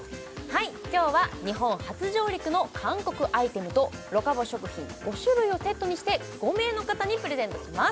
今日は日本初上陸の韓国アイテムとロカボ食品５種類をセットにして５名の方にプレゼントします